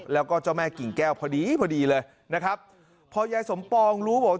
แล้วก็เจ้าแม่กิ่งแก้วพอดีพอดีเลยนะครับพอยายสมปองรู้บอก